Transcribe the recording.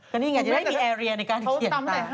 ก็นี่อย่างนี้จะได้มีแอเรียในการเขียนตาย